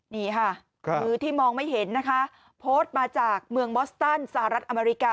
นี่ค่ะคือที่มองไม่เห็นนะคะโพสต์มาจากเมืองมอสตันสหรัฐอเมริกา